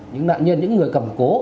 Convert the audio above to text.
những nạn nhân những người cầm cố